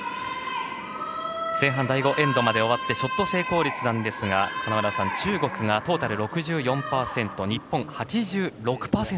前半第５エンドまで終わってショット成功率は中国がトータル６４％日本、８６％。